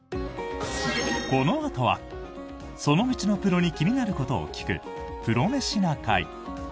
このあとは、その道のプロに気になることを聞く「プロメシな会」。